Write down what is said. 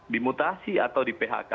dimutasi atau di phk